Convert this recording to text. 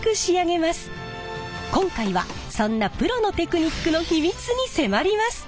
今回はそんなプロのテクニックの秘密に迫ります。